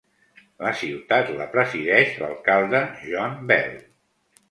La ciutat la presideix l'alcalde John Bell.